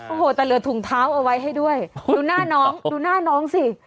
โอ้โหแต่เหลือถุงเท้าเอาไว้ให้ด้วยดูหน้าน้องดูหน้าน้องสิ